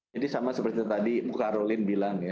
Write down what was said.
jadi sama seperti tadi muka arulin bilang ya